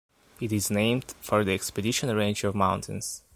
It is named for the Expedition Range of mountains.